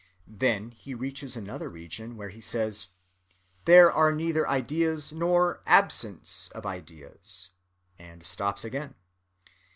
Then he reaches another region where he says: "There are neither ideas nor absence of ideas," and stops again.